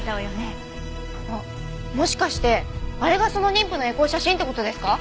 あっもしかしてあれがその妊婦のエコー写真って事ですか？